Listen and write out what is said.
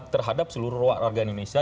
terhadap seluruh warga indonesia